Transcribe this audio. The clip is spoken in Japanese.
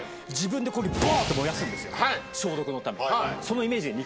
消毒のために。